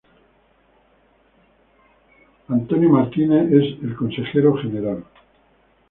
Jerry Smyth es el Consejo General.